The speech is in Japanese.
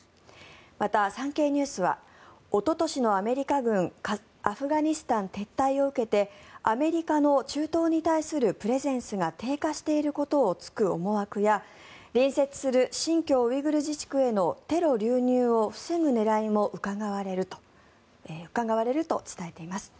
また、産経ニュースはおととしのアメリカ軍アフガニスタン撤退を受けてアメリカの中東に対するプレゼンスが低下していることを突く思惑や隣接する新疆ウイグル自治区へのテロ流入を防ぐ狙いもうかがわれると伝えています。